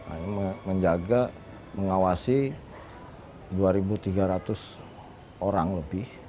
hanya menjaga mengawasi dua tiga ratus orang lebih